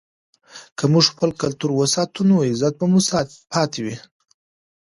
که موږ خپل کلتور وساتو نو عزت به مو پاتې وي.